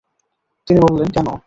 তিনি বললেন, কেন?